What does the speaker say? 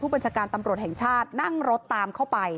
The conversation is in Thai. บัญชาการตำรวจแห่งชาตินั่งรถตามเข้าไป